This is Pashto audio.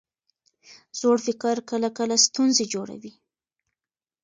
زوړ فکر کله کله ستونزې جوړوي.